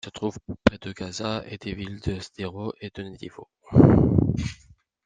Il se trouve près de Gaza, et des villes de Sderot et de Netivot.